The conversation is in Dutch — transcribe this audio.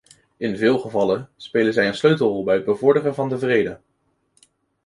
In veel gevallen spelen zij een sleutelrol bij het bevorderen van de vrede.